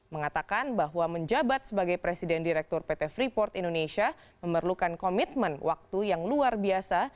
mengatakan bahwa menjabat sebagai presiden direktur pt freeport indonesia memerlukan komitmen waktu yang luar biasa